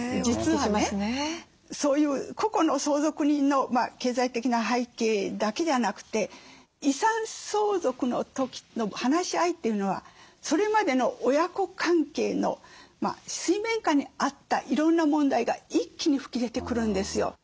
実はねそういう個々の相続人の経済的な背景だけじゃなくて遺産相続の時の話し合いというのはそれまでの親子関係の水面下にあったいろんな問題が一気に吹き出てくるんですよ。